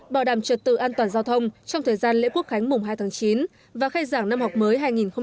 bảo đảm trật tự an toàn giao thông trong thời gian lễ quốc khánh mùng hai tháng chín và khai giảng năm học mới hai nghìn một mươi tám hai nghìn một mươi chín